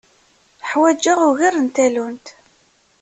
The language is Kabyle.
Ḥwaǧeɣ ugar n tallunt.